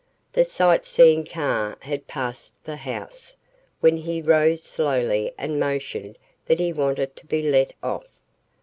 The sight seeing car had passed the house, when he rose slowly and motioned that he wanted to be let off.